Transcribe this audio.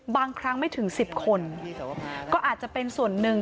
บางครั้งไม่ถึง๑๐คนก็อาจจะเป็นส่วนหนึ่ง